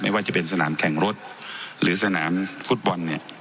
ว่าจะเป็นสนามแข่งรถหรือสนามฟุตบอลเนี่ย